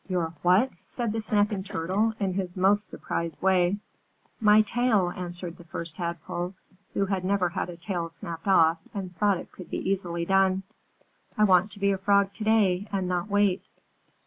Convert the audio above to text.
"Your what?" said the Snapping Turtle, in his most surprised way. "My tail," answered the First Tadpole, who had never had a tail snapped off, and thought it could be easily done. "I want to be a Frog to day and not wait."